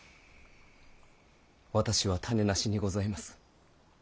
私は種無しにございます！